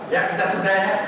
ya kita sudah